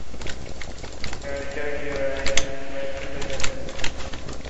সচরাচর জোড়ায় কিংবা ছোট দলে থাকে।